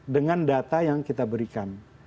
dengan data yang kita berikan